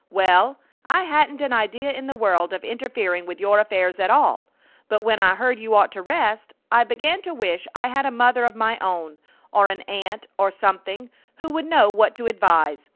"Well, I hadn't an idea in the world of interfering with your affairs at all, but when I heard you ought to rest, I began to wish I had a mother of my own, or an aunt or something who would know what to advise.